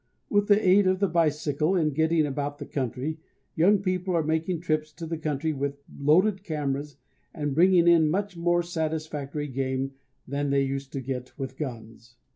With the aid of the bicycle in getting about the country, young people are making trips to the country with loaded cameras and bringing in much more satisfactory game than they used to get with guns.